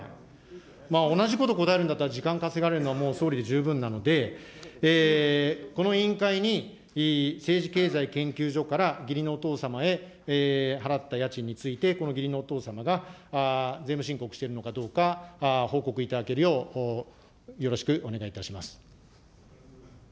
まあ、同じことを答えるんだったら、時間稼がれるのはもう総理で十分なので、この委員会に政治経済研究所から、義理のお父様へ払った家賃について、この義理のお父様が税務申告しているのかどうか、報告いただけるよう、よろしくお願いいたします。